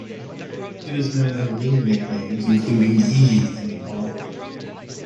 It is known under many nicknames, including "e" and "Molly".